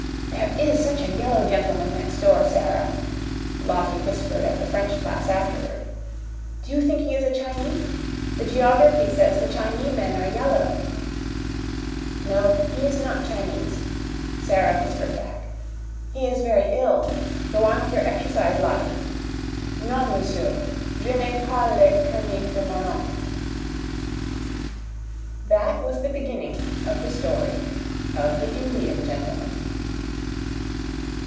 "There is such a yellow gentleman next door, Sara," Lottie whispered at the French class afterward. "Do you think he is a Chinee? The geography says the Chinee men are yellow." "No, he is not Chinese," Sara whispered back; "he is very ill. Go on with your exercise, Lottie. 'Non, monsieur. Je n'ai pas le canif de mon oncle.'" That was the beginning of the story of the Indian gentleman.